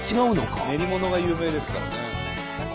練り物が有名ですからね。